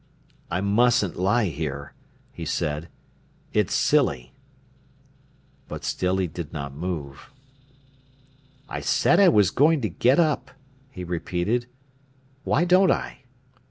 "I mustn't lie here," he said; "it's silly." But still he did not move. "I said I was going to get up," he repeated. "Why don't I?"